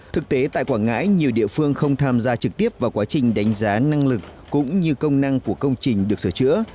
thực tế tại quảng ngãi nhiều địa phương không tham gia trực tiếp vào quá trình đánh giá năng lực cũng như công năng của công trình được sửa chữa